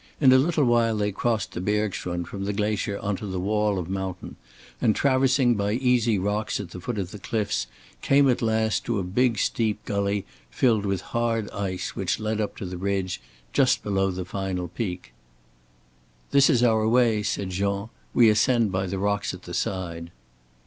In a little while they crossed the bergschrund from the glacier on to the wall of mountain, and traversing by easy rocks at the foot of the cliffs came at last to a big steep gully filled with hard ice which led up to the ridge just below the final peak. "This is our way" said Jean. "We ascend by the rocks at the side."